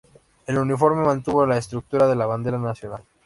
El uniforme mantuvo la estructura de la bandera nacional.